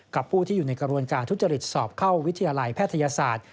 ผู้ที่อยู่ในกระบวนการทุจริตสอบเข้าวิทยาลัยแพทยศาสตร์